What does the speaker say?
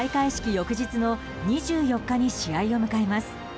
翌日の２４日に試合を迎えます。